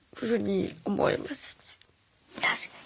確かに。